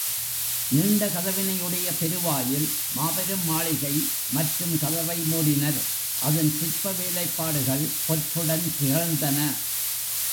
நீண்ட கதவினை உடைய பெருவாயில் மாபெரும் மாளிகை, மற்றும் கதவை மூடினர் அதன் சிற்ப வேலைப்பாடுகள் பொற்புடன் திகழ்ந்தன.